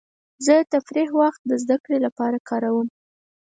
زه د تفریح وخت د زدهکړې لپاره کاروم.